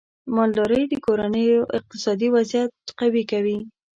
مالدارۍ د کورنیو اقتصادي وضعیت قوي کوي.